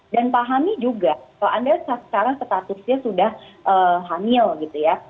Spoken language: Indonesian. dan pahami juga kalau anda sekarang statusnya sudah hamil gitu ya